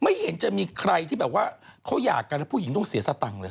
ไม่เห็นจะมีใครที่แบบว่าเขาอยากกันแล้วผู้หญิงต้องเสียสตังค์เลย